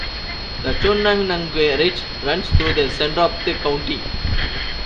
The Chunnennuggee Ridge runs through the center of the county.